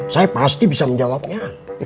saya pasti bisa menjawabnya